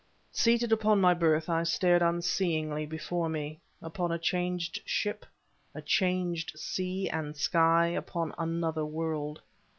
Seated upon my berth, I stared unseeingly before me, upon a changed ship, a changed sea and sky upon another world.